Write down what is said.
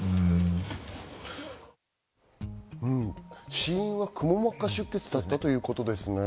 死因はくも膜下出血だったということですね。